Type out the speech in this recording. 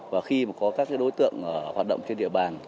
và khi mà có các đối tượng hoạt động trên địa bàn